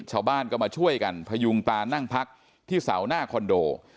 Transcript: ชาวบ้านก็มาช่วยกันพยุงตานั่งพักที่เสาหน้าคอนโด